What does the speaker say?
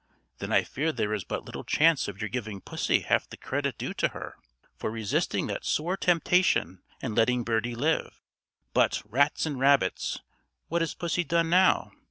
then I fear there is but little chance of your giving pussy half the credit due to her, for resisting that sore temptation and letting birdie live. But, rats and rabbits! what has pussy done now?